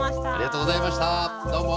どうも。